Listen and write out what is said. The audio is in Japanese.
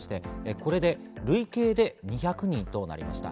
これで累計で２００人となりました。